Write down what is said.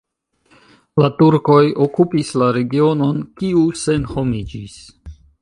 La turkoj okupis la regionon, kiu senhomiĝis.